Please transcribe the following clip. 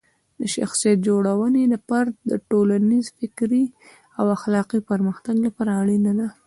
شخصیت جوړونه د فرد د ټولنیز، فکري او اخلاقي پرمختګ لپاره اړینه ده.